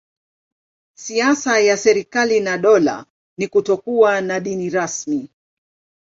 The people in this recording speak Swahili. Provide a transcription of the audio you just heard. Siasa ya serikali na dola ni kutokuwa na dini rasmi.